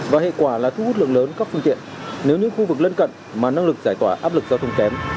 và hệ quả là thu hút lượng lớn các phương tiện nếu những khu vực lân cận mà năng lực giải tỏa áp lực giao thông kém